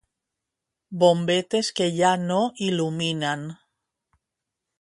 Bombetes que ja no il·luminen.